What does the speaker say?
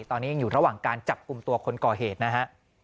ตอนนี้ยังอยู่ระหว่างการจับกลุ่มตัวคนก่อเหตุนะฮะ